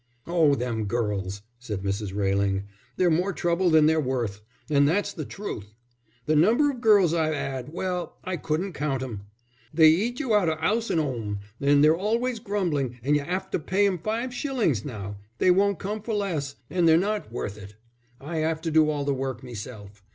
"Oh, them girls!" said Mrs. Railing. "They're more trouble than they're worth, and that's the truth. The number of girls I've 'ad well, I couldn't count 'em. They eat you out of 'ouse and 'ome, and they're always grumbling, and you 'ave to pay 'em five shillings now they won't come for less and they're not worth it. I 'ave to do all the work meself.